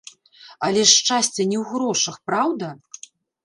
Але ж шчасце не ў грошах, праўда?!